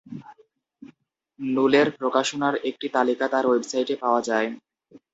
নুলের প্রকাশনার একটি তালিকা তার ওয়েবসাইটে পাওয়া যায়।